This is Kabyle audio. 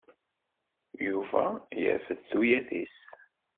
Yuba yerfed tuyat-is.